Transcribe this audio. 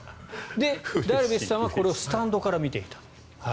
ダルビッシュさんはこれをスタンドから見ていた。